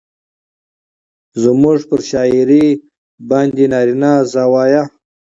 زموږ پر شاعرۍ باندې نارينه زاويه